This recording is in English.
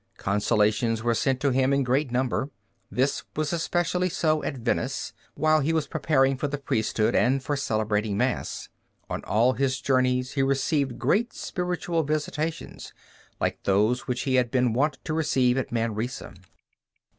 Consolations were sent to him in great number. This was especially so at Venice, while he was preparing for the priesthood and for celebrating Mass. On all his journeys, he received great supernatural visitations, like those which he had been wont to receive at Manresa.